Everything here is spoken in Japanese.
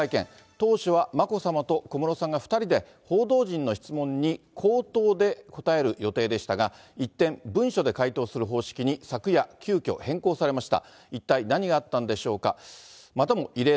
当初は眞子さまと小室さんが２人で報道陣の質問に口頭で答える予定でしたが、一転、文書で回答する方式に昨夜、急きょ変更されました。